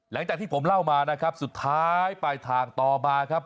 หลังจากที่ผมเล่ามานะครับสุดท้ายปลายทางต่อมาครับ